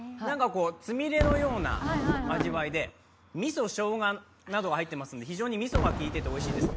つみれのような味わいでみそ、しょうがなどが入っていますのでみそが入っていておいしいです。